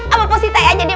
abang positi aja deh